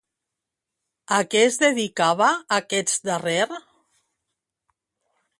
A què es dedicava aquest darrer?